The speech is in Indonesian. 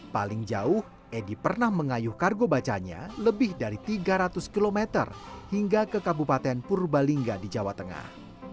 paling jauh edi pernah mengayuh kargo bacanya lebih dari tiga ratus km hingga ke kabupaten purbalingga di jawa tengah